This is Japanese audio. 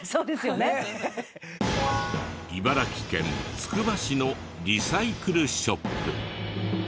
茨城県つくば市のリサイクルショップ。